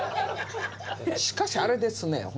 しかしあれですね